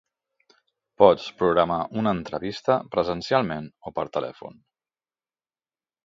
Pots programar una entrevista presencialment o per telèfon.